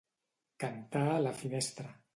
Cantar a la finestra.